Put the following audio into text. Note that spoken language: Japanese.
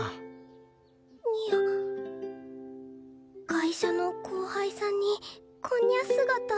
会社の後輩さんにこんにゃ姿